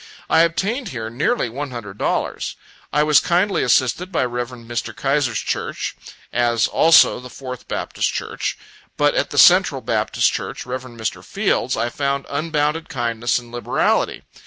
I obtained here nearly $100. I was kindly assisted by Rev. Mr. Keyser's Church, as also the Fourth Baptist Church. But at the Central Baptist Church, Rev. Mr. Fields', I found unbounded kindness and liberality.